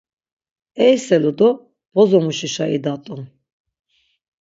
Eiselu do bozo muşişa idat̆u.